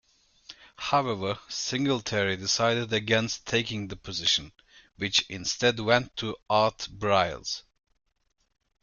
However, Singletary decided against taking the position, which instead went to Art Briles.